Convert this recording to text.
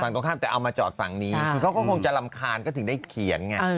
ตรงข้ามแต่เอามาจอดฝั่งนี้คือเขาก็คงจะรำคาญก็ถึงได้เขียนไง